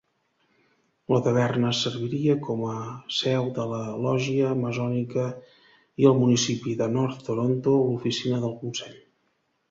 La taverna serviria com a seu de la logia masònica i el municipi de North Toronto l'oficina del Consell.